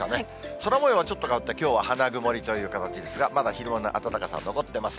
空もようはちょっと変わって、きょうは花曇りという形ですが、まだ昼間の暖かさ、残ってます。